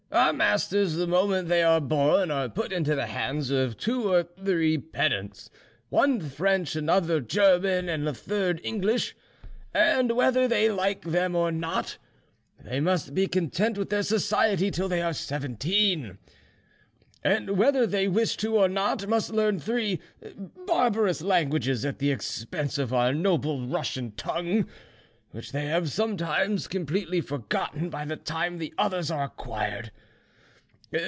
Our masters, the moment they are born, are put into the hands of two or three pedants, one French, another German, and a third English, and whether they like them or not, they must be content with their society till they are seventeen, and whether they wish to or not, must learn three barbarous languages, at the expense of our noble Russian tongue, which they have sometimes completely forgotten by the time the others are acquired.